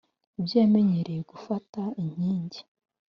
Ibyo yamenyereye gufata inkingi